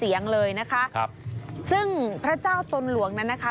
เสียงเลยนะคะครับซึ่งพระเจ้าตนหลวงนั้นนะคะ